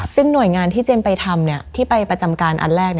ซึ่งหน่วยงานที่เจมส์ไปทำที่ไปประจำการอันแรก